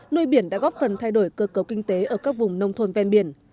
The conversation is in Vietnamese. nuôi biển đã góp phần thay đổi cơ cấu kinh tế ở các vùng nông thôn ven biển